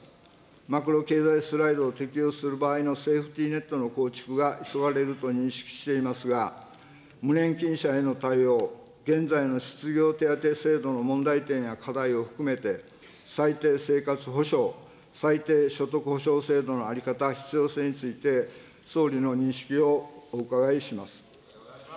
マクロ経済スライドを適用する場合のセーフティネットの構築が急がれると認識していますが、無年金者への対応、現在の失業手当制度の問題点や課題を含めて、最低生活保障、最低所得保障制度の在り方、必要性について総理の認識をお伺いします。